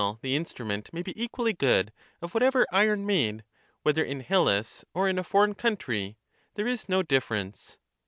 the instrument may be equally good of whatever iron made, Socrates, 0 whether in Hellas or in a foreign country; — there is no ^^^^° difference.